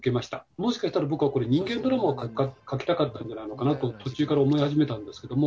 もしかしたら僕はこれ人間ドラマを描きたかったんじゃないのかなと途中から思い始めたんですけども。